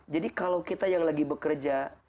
jadi kalau kita yang lagi bekerja